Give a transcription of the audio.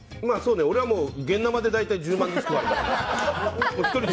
俺は現ナマで大体１０万ずつ配るから。